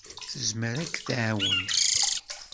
Tezmer ad k-tɛawen.